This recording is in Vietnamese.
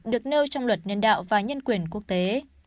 được nêu trong luật nhân đạo và nhân quyền quốc tế